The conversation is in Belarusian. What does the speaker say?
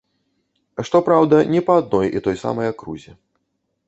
Што праўда, не па адной і той самай акрузе.